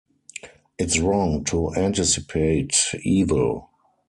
It’s wrong to anticipate evil.